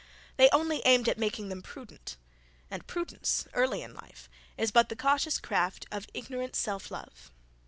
They only aimed at making them prudent; and prudence, early in life, is but the cautious craft of ignorant self love.